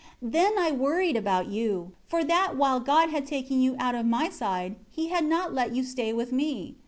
11 Then I worried about you, for that while God had taken you out of my side, He had not let you stay with me.